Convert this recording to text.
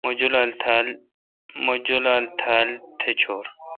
مہ جولال تھال تھ چور